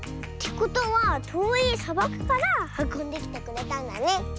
ことはとおいさばくからはこんできてくれたんだね。